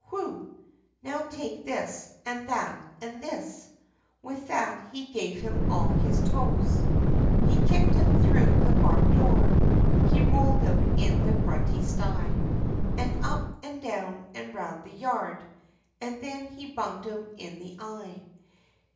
Whew! now take this! and that, and this," With that, he gave him all his toes. He kicked him, thro' the barn door, He rolled him, in the grunty stye, And up, and down, and round the yard, And then, he bunged him in the eye!